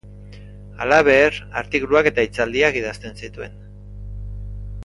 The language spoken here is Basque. Halaber, artikuluak eta hitzaldiak idazten zituen.